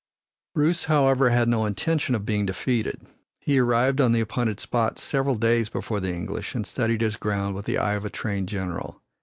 Bruce, however, had no intention of being defeated. He arrived on the appointed spot several days before the English and studied his ground with the eye of a trained general.